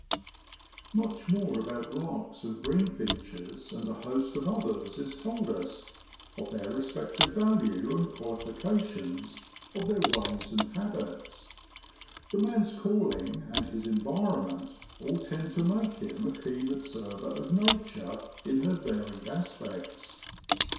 Much more about larks and greenfinches and a host of others is told us of their respective value and qualifications, of their ways and habits. The man's calling and his environment all tend to make him a keen observer of nature in her varied aspects.